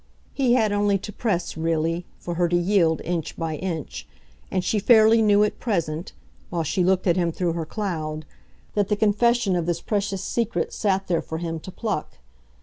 He had only to press, really, for her to yield inch by inch, and she fairly knew at present, while she looked at him through her cloud, that the confession of this precious secret sat there for him to pluck.